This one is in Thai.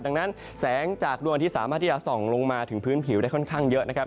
ดังนั้นแสงจากดวงที่สามารถที่จะส่องลงมาถึงพื้นผิวได้ค่อนข้างเยอะนะครับ